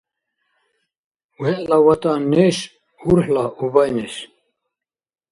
ВегӀла ВатӀан — неш, урхӀла — убай неш.